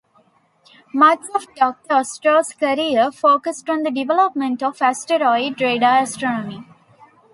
Much of Doctor Ostro's career focused on the development of asteroid radar astronomy.